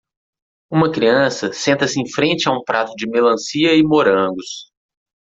Uma criança senta-se em frente a um prato de melancia e morangos.